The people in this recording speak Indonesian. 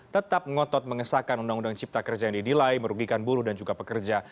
tetap ngotot mengesahkan undang undang cipta kerja yang dinilai merugikan buruh dan juga pekerja